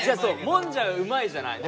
もんじゃはうまいじゃない？